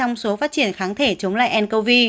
chín mươi sáu trong số phát triển kháng thể chống lại ncov